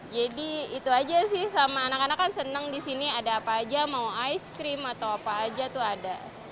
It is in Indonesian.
jadi itu aja sih sama anak anak kan seneng disini ada apa aja mau ice cream atau apa aja tuh ada